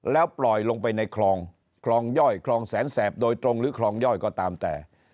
แล้วปล่อยลงไปในคลองคลองย่อยคลองแสนแสบโดยตรงหรือคลองย่อยก็ตามแต่